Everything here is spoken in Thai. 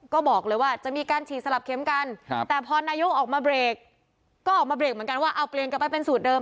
ก็บอกเลยว่าจะมีการฉีดสลับเข็มกันแต่พอนายกออกมาเบรกก็ออกมาเบรกเหมือนกันว่าเอาเปลี่ยนกลับไปเป็นสูตรเดิม